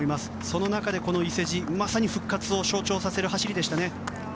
その中で、この伊勢路まさに復活を象徴させる走りでしたね。